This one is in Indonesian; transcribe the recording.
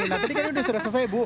nah tadi kan sudah selesai bu